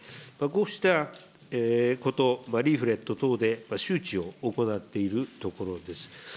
こうしたこと、リーフレット等で周知を行っているところです。